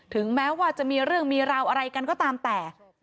ถึงแม้ว่าจะมีเรื่องมีราวอะไรกันก็ตามแต่